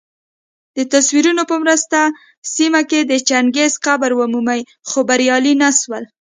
دتصویرونو په مرسته سیمه کي د چنګیز قبر ومومي خو بریالي نه سول